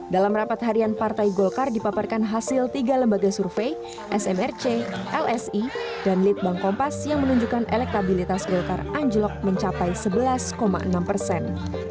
dalam rapat harian partai golkar dipaparkan hasil tiga lembaga survei smrc lsi dan litbang kompas yang menunjukkan elektabilitas golkar anjlok mencapai sebelas enam persen